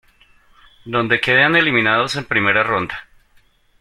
Donde quedan eliminados en primera ronda.